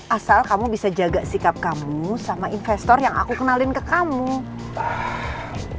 asal kamu bisa jaga sikap kamu sama investor yang aku kenalin ke kamu